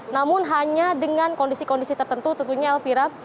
namun hanya dengan kondisi kondisi tertentu tentunya elvira